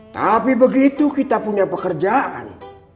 tapi begitu kita punya pekerjaan